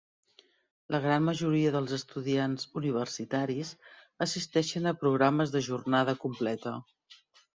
La gran majoria dels estudiants universitaris assisteixen a programes de jornada completa.